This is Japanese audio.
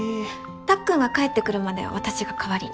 たっくんが帰ってくるまでは私が代わりに。